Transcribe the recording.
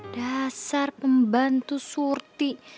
dasar pembantu surti